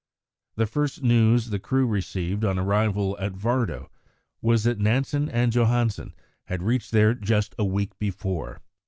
The first news the crew received on arrival at Vardo was that Nansen and Johansen had reached there just a week before.